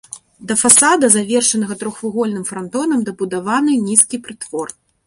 Да фасада, завершанага трохвугольным франтонам, дабудаваны нізкі прытвор.